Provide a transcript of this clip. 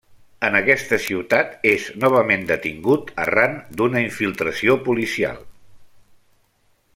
En aquesta ciutat és novament detingut arran d'una infiltració policial.